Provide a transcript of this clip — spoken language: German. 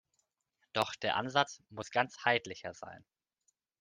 Doch der Ansatz muss ganzheitlicher sein.